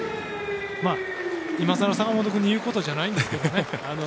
まあ今更、坂本君に言うことじゃないんですけどね。